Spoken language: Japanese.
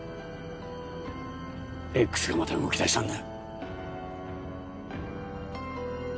Ｘがまた動き出したんだ。